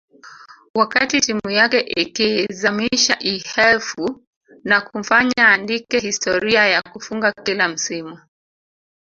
wakati timu yake ikiizamisha Ihefu na kumfanya aandike historia ya kufunga kila msimu